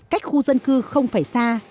cách khu dân cư không phải xa